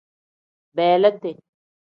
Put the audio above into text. Beleeti.